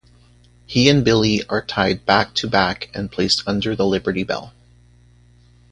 He and Billy are tied back to back and placed under the Liberty Bell.